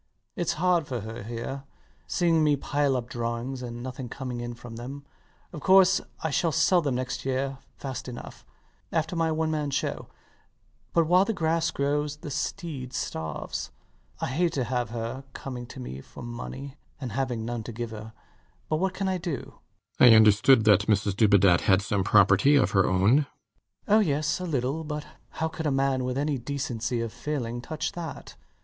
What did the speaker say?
It's hard for her here, seeing me piling up drawings and nothing coming in for them. Of course I shall sell them next year fast enough, after my one man show; but while the grass grows the steed starves. I hate to have her coming to me for money, and having none to give her. But what can I do? RIDGEON. I understood that Mrs Dubedat had some property of her own. LOUIS. Oh yes, a little; but how could a man with any decency of feeling touch that?